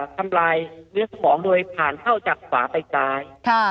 ทำลายเนื้อสมองโดยผ่านเข้าจากขวาไปซ้าย